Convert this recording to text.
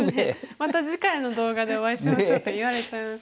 「また次回の動画でお会いしましょう」って言われちゃいましたね。